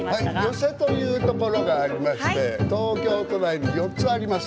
寄席というところがありまして東京都内に４つあります。